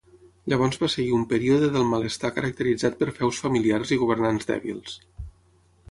Llavors va seguir un període del malestar caracteritzat per feus familiars i governants dèbils.